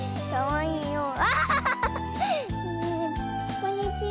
こんにちは。